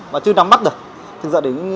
và chưa đắm mắt được